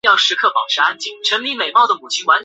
电脑奇侠击退了追兵。